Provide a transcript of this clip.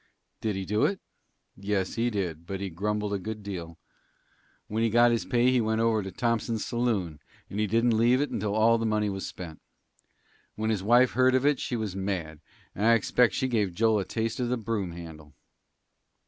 "Did he do it?" "Yes, he did; but he grumbled a good deal. When he got his pay he went over to Thompson's saloon, and he didn't leave it until all the money was spent. When his wife heard of it she was mad, and I expect she gave Joel a taste of the broom handle."